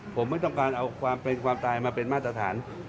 ผมไม่ต้องการเอาความเป็นความตายมาเป็นมาตรฐาน